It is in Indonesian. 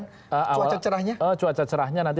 cuaca cerahnya cuaca cerahnya nanti